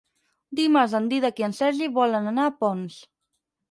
Dimarts en Dídac i en Sergi volen anar a Ponts.